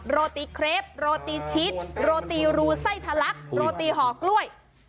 โรตีเครปโรตีชิดโรตีรูไส้ทะลักโรตีห่อกล้วย